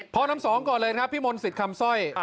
พ่อน้ำสองก่อนเลยครับพี่มนต์สิทธิ์คำสร้อย